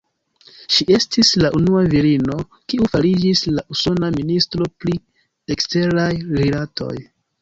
Ŝi estis la unua virino, kiu fariĝis la usona Ministro pri Eksteraj Rilatoj.